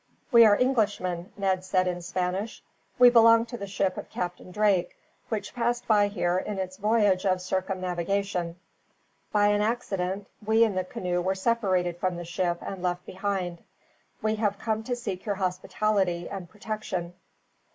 "We are Englishmen," Ned said in Spanish. "We belong to the ship of Captain Drake, which passed by here in its voyage of circumnavigation. By an accident, we in the canoe were separated from the ship and left behind. We have come to seek your hospitality, and protection."